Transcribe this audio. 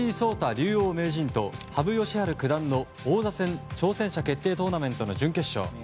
竜王・名人と羽生善治九段の王座戦挑戦者決定トーナメントの準決勝。